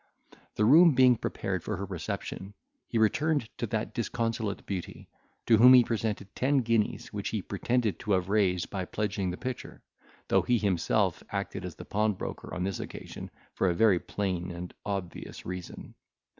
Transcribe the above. The room being prepared for her reception, he returned to that disconsolate beauty, to whom he presented ten guineas, which he pretended to have raised by pledging the picture, though he himself acted as the pawnbroker on this occasion, for a very plain and obvious reason.